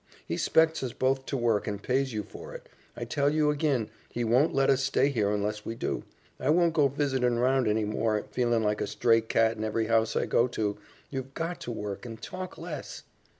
He 'spects us both to work, and pays you for it. I tell you agin, he won't let us stay here unless we do. I won't go visitin' round any more, feelin' like a stray cat in every house I go to. You've got to work, and talk less."